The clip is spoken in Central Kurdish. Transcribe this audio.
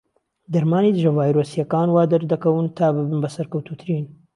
دەرمانی دژە ڤایرۆسیەکان وادەردەکەون تا ببن بە سەرکەوتووترین.